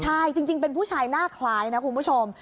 ใช่จริงเป็นผู้ชายหน้าคล้ายนะคุณผู้ชม